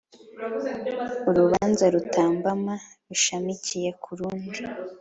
Urubanza rutambama rushamikiye ku rundi